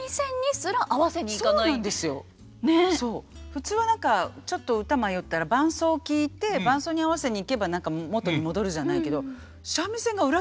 普通は何かちょっと歌迷ったら伴奏を聴いて伴奏に合わせにいけば何か元に戻るじゃないけど。